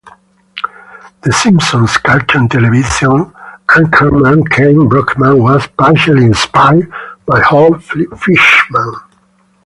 "The Simpsons" cartoon television anchorman Kent Brockman was partially inspired by Hal Fishman.